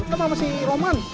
gue berantem sama si roman